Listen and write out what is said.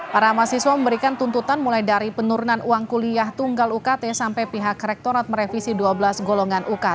para mahasiswa memberikan tuntutan mulai dari penurunan uang kuliah tunggal ukt sampai pihak rektorat merevisi dua belas golongan uk